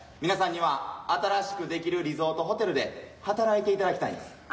皆さんには新しく出来るリゾートホテルで働いていただきたいんです。